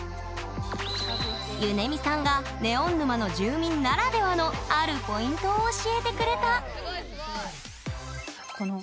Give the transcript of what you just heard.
ゆねみさんがネオン沼の住民ならではのあるポイントを教えてくれた！